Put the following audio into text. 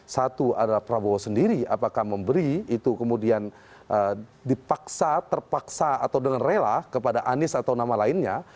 satu adalah prabowo sendiri apakah memberi itu kemudian dipaksa terpaksa atau dengan rela kepada anies atau nama lainnya